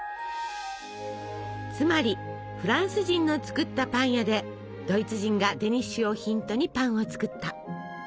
つまりフランス人の作ったパン屋でドイツ人がデニッシュをヒントにパンを作った。